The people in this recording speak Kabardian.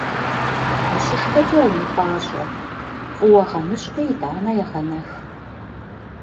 УщышхэкӀэ умыпӀащӀэ, фӀыуэ гъэныщкӀуи, итӀанэ егъэнэх.